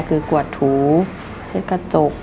คือกวดถูเช็ดกระจก